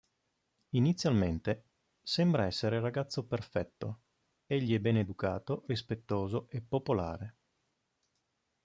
Inizialmente, sembra essere il ragazzo perfetto; egli è ben educato, rispettoso e popolare.